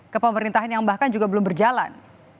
kepemerintahan yang bahkan juga belum berjalan